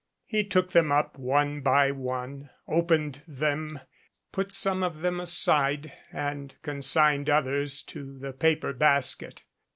He took them up one by one, opened them, put some of them aside and con signed others to the paper basket.